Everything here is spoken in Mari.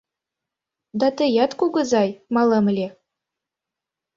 Да тыят, кугызай, малем ыле.